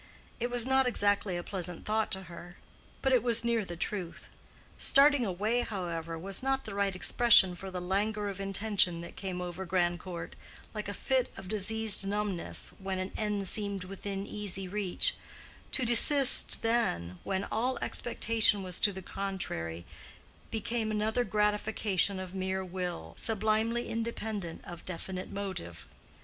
It was not exactly a pleasant thought to her; but it was near the truth. "Starting away," however, was not the right expression for the languor of intention that came over Grandcourt, like a fit of diseased numbness, when an end seemed within easy reach: to desist then, when all expectation was to the contrary, became another gratification of mere will, sublimely independent of definite motive.